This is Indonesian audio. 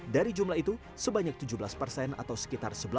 dari jumlah itu sebanyak tujuh lima juta ton yang diperkenalkan oleh pemerintah indonesia